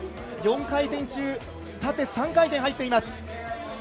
４回転中、縦３回転入っています。